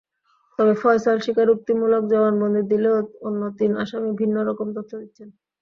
তবে ফয়সাল স্বীকারোক্তিমূলক জবানবন্দি দিলেও অন্য তিন আসামি ভিন্ন রকম তথ্য দিচ্ছেন।